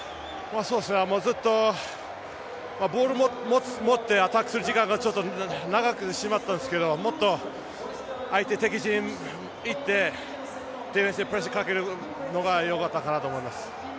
ずっとボール持ってアタックする時間が長くしてしまったんですけどもっと相手敵陣に行ってディフェンスでプレッシャーかけるのがよかったかなと思います。